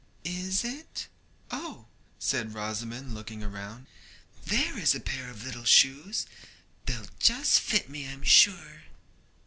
'Is, it? Oh,' said Rosamond looking round 'there is a pair of little shoes; they'll just fit me, I'm sure.'